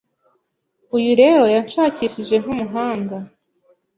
Uyu rero yanshakishije nkumuhanga